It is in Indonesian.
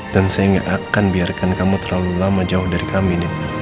dan saya gak akan biarkan kamu terlalu lama jauh dari kami